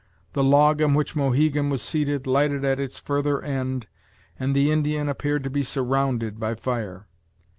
The log on which Mohegan was seated lighted at its further end, and the Indian appeared to be surrounded by fire.